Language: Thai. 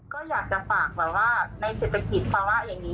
ก็อยากจะฝากว่าว่าในเศรษฐกิจเพราะว่าอย่างนี้